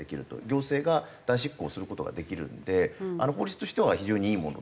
行政が代執行をする事ができるので法律としては非常にいいものだとは思います。